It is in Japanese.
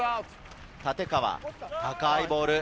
立川、高いボール。